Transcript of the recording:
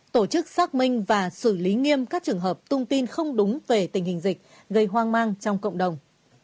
tổ chức xác minh và xử lý nghiêm các trường hợp tung tin không đúng về tình hình dịch gây hoang mang trong cộng đồng